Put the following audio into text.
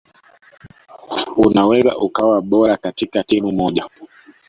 Unaweza ukawa bora katika timu moja